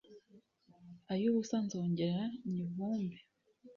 ay'ubusa nzongera nyivumbe